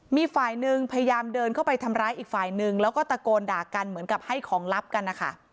มีฝ่ายหนึ่งพยายามเดินเข้าไปทำร้ายอีกฝ่ายนึงแล้วก็ตะโกนด่ากันเหมือนกับให้ของลับกันนะคะ